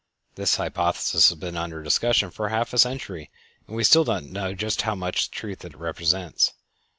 This hypothesis has been under discussion for half a century, and still we do not know just how much truth it represents.